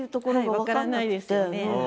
分からないですよね。